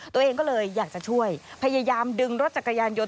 ตัวเองก็เลยอยากจะช่วยพยายามดึงรถจักรยานยนต